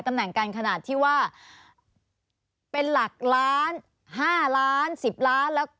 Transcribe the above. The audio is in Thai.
ตำแหน่งกันขนาดที่ว่าเป็นหลักล้าน๕ล้าน๑๐ล้านแล้ว